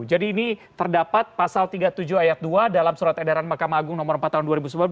jadi ini terdapat pasal tiga puluh tujuh ayat dua dalam surat edaran mahkamah agung nomor empat tahun dua ribu sebelas